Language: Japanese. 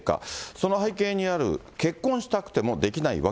その背景にある、結婚したくてもできない訳。